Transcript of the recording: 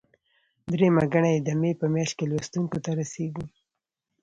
درېیمه ګڼه یې د مې په میاشت کې لوستونکو ته رسیږي.